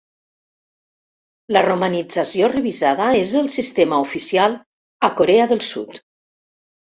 La romanització revisada és el sistema oficial a Corea del Sud.